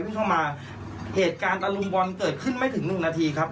เข้ามาเหตุการณ์ตะลุมบอลเกิดขึ้นไม่ถึงหนึ่งนาทีครับ